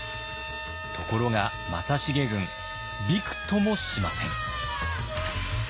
ところが正成軍びくともしません。